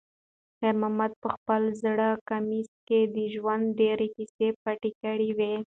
خیر محمد په خپل زوړ کمیس کې د ژوند ډېرې کیسې پټې کړې وې.